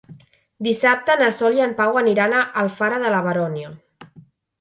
Dissabte na Sol i en Pau aniran a Alfara de la Baronia.